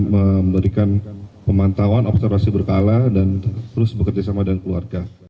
memberikan pemantauan observasi berkala dan terus bekerjasama dengan keluarga